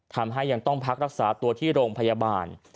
ทำให้ยังต้องพักรักษาตัวที่โรงพยาบาล